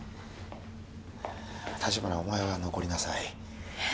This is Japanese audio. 立花お前は残りなさいえッ？